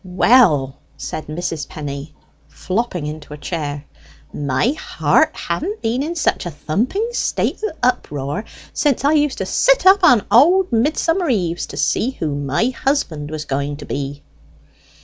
"Well!" said Mrs. Penny, flopping into a chair, "my heart haven't been in such a thumping state of uproar since I used to sit up on old Midsummer eves to see who my husband was going to be."